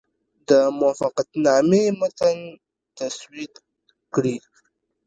د موافقتنامې متن تسوید کړي.